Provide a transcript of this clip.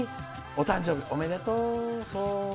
お誕生日おめでとう。